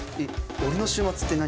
「オレの週末」って何？